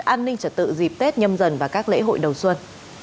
an ninh trật tự dịp tết nhâm dần và các lễ hội đầu xuân